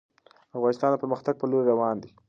افغانستان د پرمختګ په لوري روان دی.